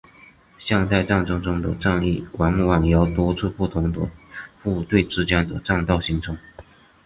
现代战争中的战役往往由多次不同的部队之间的战斗组成。